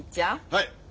はい。